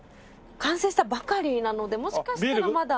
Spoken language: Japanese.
完成したばかりなのでもしかしたらまだ。